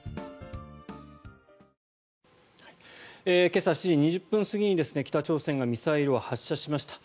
今朝７時２０分過ぎに北朝鮮がミサイルを発射しました。